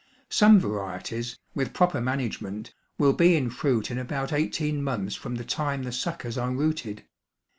Some varieties, with proper management, will be in fruit in about eighteen months from the time the suckers are rooted.